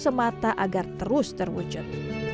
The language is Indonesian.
semata agar terus terwujud